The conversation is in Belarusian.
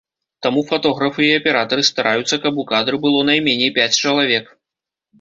Таму фатографы і аператары стараюцца, каб у кадры было найменей пяць чалавек.